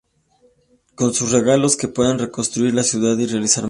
Con sus regalos, que pueden reconstruir la ciudad y realizar maravillas.